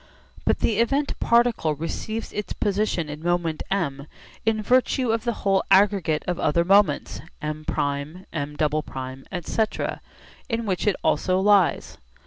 But the event particle receives its position in moment M in virtue of the whole aggregate of other moments M{'}, M{''}, etc., in which it also lies.